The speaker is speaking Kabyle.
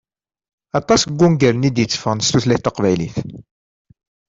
Aṭas n wungalen i d-iteffɣen s tutlayt taqbaylit.